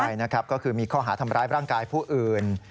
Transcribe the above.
ใช่นะครับก็คือมีข้อหาทำร้ายร่างกายผู้อื่น